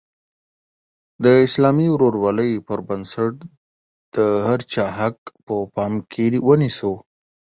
د اسلامي ورورولۍ پر بنسټ د هر چا حق په پام کې ونیسو.